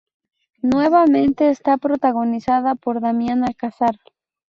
Nuevamente está protagonizada por Damián Alcázar.